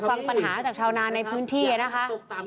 ฟังปัญหาจากชาวนาในพื้นที่นะคะ